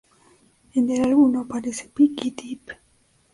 En el álbum no aparece "Pick it ip".